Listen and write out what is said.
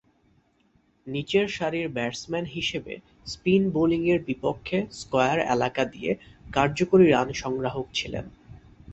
নিচেরসারির batsman হিসেবে spin বোলিংয়ের বিপক্ষে স্কয়ার এলাকা দিয়ে কার্যকরী রান সংগ্রাহক ছিলেন।